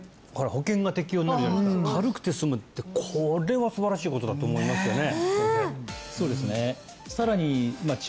保険が適用になるじゃないですか軽くて済むってこれはすばらしいことだと思いますよね